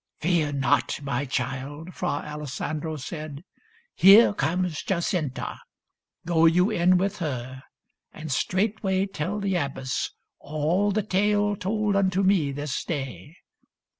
" Fear not, my child," Fra Alessandro said. '' Here comes Jacinta. Go you in with her. And straightway tell the abbess all the tale Told unto me this day.